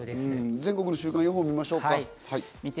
全国の週間予報を見ましょうか。